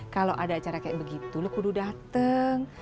kalau ada acara kayak begitu lo kudu dateng